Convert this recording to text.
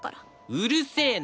うるせえな！